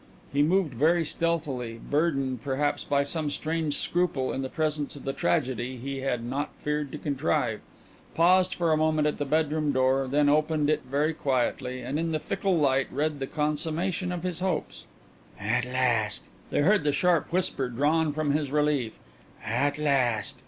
He moved very stealthily, burdened, perhaps, by some strange scruple in the presence of the tragedy that he had not feared to contrive, paused for a moment at the bedroom door, then opened it very quietly, and in the fickle light read the consummation of his hopes. "At last!" they heard the sharp whisper drawn from his relief. "At last!"